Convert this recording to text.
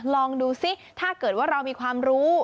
ลองดูซิถ้าเกิดว่าเรามีความรู้